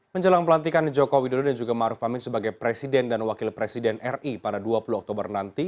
menjelang pelantikan joko widodo dan juga maruf amin sebagai presiden dan wakil presiden ri pada dua puluh oktober nanti